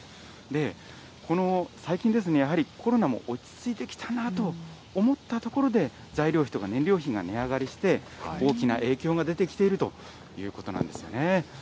最近、コロナも落ち着いてきたなと思ったところで、材料費とか燃料費が値上がりして、大きな影響が出てきているということなんですかね。